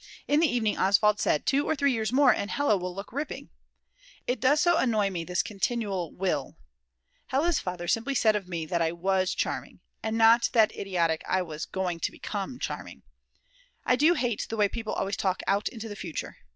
In the evening Oswald said: "two or three years more, and Hella will look ripping." It does annoy me so this continual will. Hella's father simply said of me that I was charming,, and not that idiotic: I was going to become charming. I do hate the way people always talk out into the future.